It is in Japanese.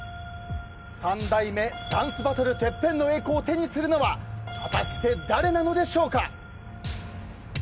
３代目ダンスバトルＴＥＰＰＥＮの栄光を手にするのは果たして誰なのでしょうか。